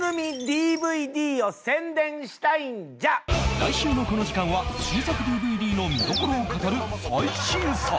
来週のこの時間は新作 ＤＶＤ の見どころを語る最新作